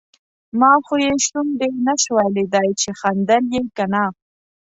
ما خو یې شونډې نشوای لیدای چې خندل یې که نه.